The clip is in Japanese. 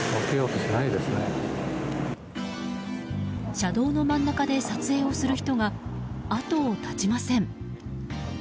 車道の真ん中で撮影をする人が後を絶ちません。